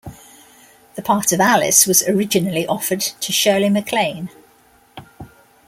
The part of Alice was originally offered to Shirley MacLaine.